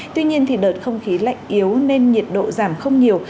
tuy nhiên đợt không khí lạnh yếu nên nhiệt độ giảm không nhiều